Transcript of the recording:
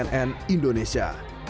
tim liputan cnn indonesia